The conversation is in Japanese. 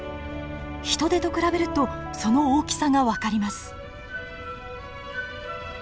ヒトデと比べるとその大きさが分かります。